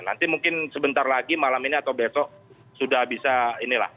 nanti mungkin sebentar lagi malam ini atau besok sudah bisa inilah